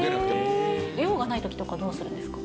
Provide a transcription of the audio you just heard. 用がないときとかはどうするんですか。